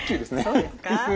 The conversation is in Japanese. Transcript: そうですか？